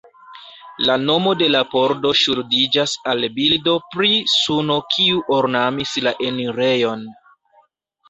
La nomo de la pordo ŝuldiĝas al bildo pri suno kiu ornamis la enirejon.